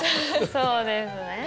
そうですね。